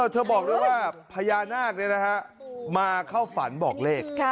เธอบอกด้วยว่าพญานาคมาเข้าฝันบอกเลข